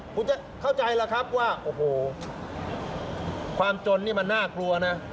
คุณจะเข้าใจล่ะครับว่าโอ้โหความจนนี่มันน่ากลัวนะ